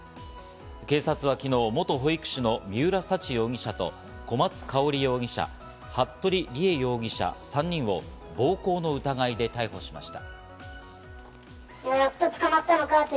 警察は昨日、元保育士の三浦沙知容疑者と小松香織容疑者、服部理江容疑者３人を暴行の疑いで逮捕しました。